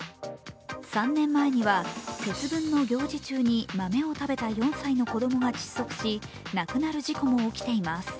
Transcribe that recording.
３年前には節分の行事中に豆を食べた４歳の子どもが窒息し、亡くなる事故も起きています。